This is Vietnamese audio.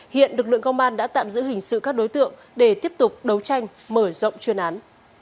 hiện lực lượng công an đã tạm giữ hình sự các đối tượng để tiếp tục đấu tranh mở rộng chuyên án